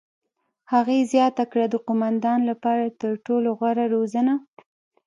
هغې زیاته کړه: "د قوماندان لپاره تر ټولو غوره روزنه.